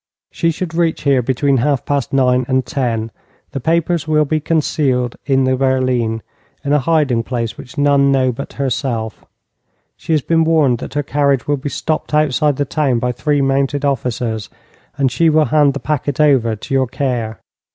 She should reach here between half past nine and ten. The papers will be concealed in the berline, in a hiding place which none know but herself. She has been warned that her carriage will be stopped outside the town by three mounted officers, and she will hand the packet over to your care.